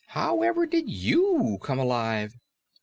"However did you come alive?"